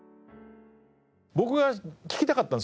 僕が聞きたかったんですよ。